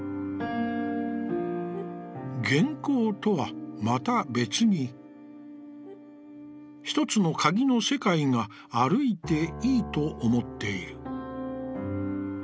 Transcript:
「原稿とは、また別に一つの鍵の世界が歩いていいと思っている」。